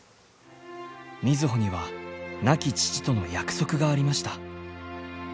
瑞穂には亡き父との約束がありました。